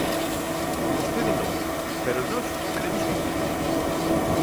Vostede non, pero nós cremos que si.